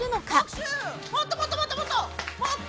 もっともっともっともっと！